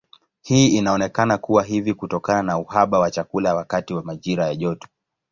Hii inaonekana kuwa hivi kutokana na uhaba wa chakula wakati wa majira ya joto.